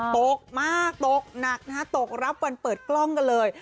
ตกมากตกหนักนะฮะตกรับวันเปิดกล้องกันเลย